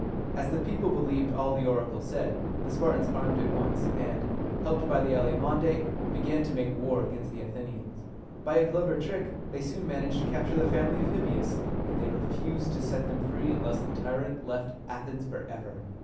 As the people believed all the oracle said, the Spartans armed at once, and, helped by the Alcmæonidæ, began to make war against the Athenians. By a clever trick, they soon managed to capture the family of Hippias, and they refused to set them free unless the tyrant left Athens forever.